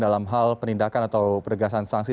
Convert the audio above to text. dalam hal penindakan atau penegasan sanksi